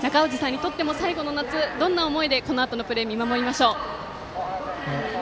なかうじさんにとっても最後の夏、どんな思いでこのあとのプレーを見守りましょう？